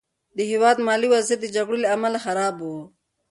د هېواد مالي وضعیت د جګړو له امله خراب و.